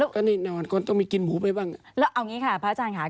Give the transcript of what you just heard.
ก็นี่น่าวันก่อนต้องมีกินหมูไปบ้างแล้วเอาอย่างงี้ค่ะพระอาจารย์ค่ะ